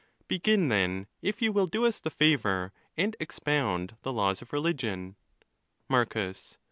Begin, then, if you will do us the favour, and Pn. nen the laws of religion. Marcus.